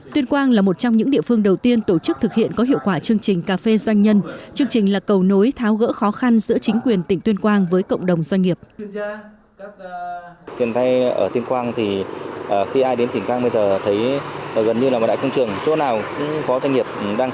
tuyên quang là một trong những địa phương đầu tiên tổ chức thực hiện có hiệu quả chương trình cà phê doanh nhân chương trình là cầu nối tháo gỡ khó khăn giữa chính quyền tỉnh tuyên quang với cộng đồng doanh nghiệp